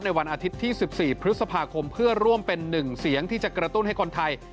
วันอาทิตย์ที่๑๔พฤษภาคมเพื่อร่วมเป็น๑เสียงที่จะกระตุ้นให้คนไทย